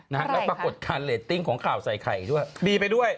และปรากฏการเลสต์ดิ้งของข่าวใส่ไข่ด้วย